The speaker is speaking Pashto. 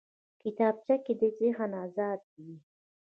کتابچه کې ذهن ازاد وي